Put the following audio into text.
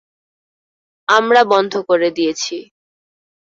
আমরা বন্ধ করে দিয়েছি।